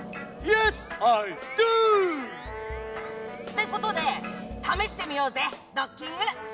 イエスアイドゥ！ってことでためしてみようぜドッキング。